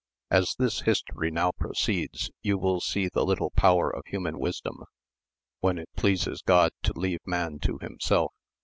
As this history now proceeds you will see the little power of human wisdom when it pleases Grod to leave man to himself.